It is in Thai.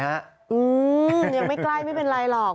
ยังไม่ใกล้ไม่เป็นไรหรอก